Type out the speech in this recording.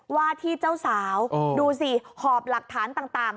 ว่าที่เจ้าสาวดูสิหอบหลักฐานต่าง